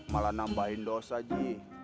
malah nambahin dosa ji